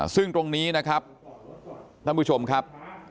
ซึ่งตรงนี้นะครับท่านผู้ชมครับ